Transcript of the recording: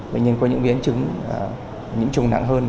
bệnh nhân có những biến chứng nhiễm trùng nặng hơn